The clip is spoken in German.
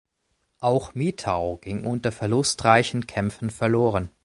Auch Mitau ging unter verlustreichen Kämpfen verloren.